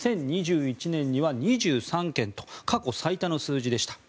２０２１年には２３件と過去最多の数字でした。